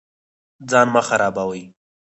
ځان مه خرابوئ